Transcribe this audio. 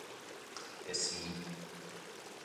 Que si.